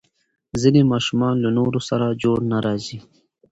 ځینې ماشومان له نورو سره جوړ نه راځي.